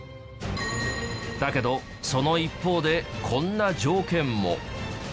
だけどその一方でこんな条件も。